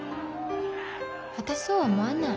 私そうは思わない。